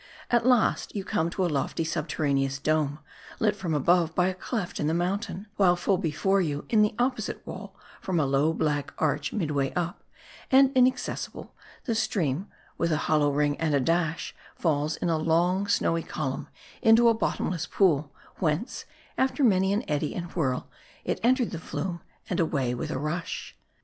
At last you come to a lofty subterra neous dome, lit from above by a cleft in the mountain ; while full before you, in the opposite wall, from a low, black arch, midway up, and inaccessible, the stream, with a hollow ring and a dash, falls in a long, snowy column into a bottomless pool, whence, after many an eddy and whirl, it entered the flume, and away with a ^xu&h.